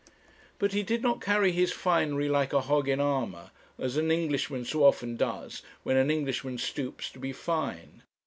But he did not carry his finery like a hog in armour, as an Englishman so often does when an Englishman stoops to be fine.